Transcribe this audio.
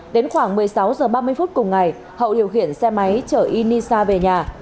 đến khoảng một mươi sáu h ba mươi phút cùng ngày hậu điều khiển xe máy chở inisa về nhà